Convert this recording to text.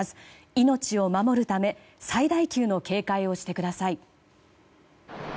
命を守るため最大級の警戒をしてください。